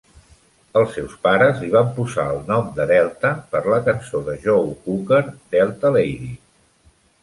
Els seus pares li van posar el nom de Delta per la cançó de Joe Cocker "Delta Lady".